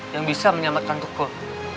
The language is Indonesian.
yang bisa menyelamatkan tukul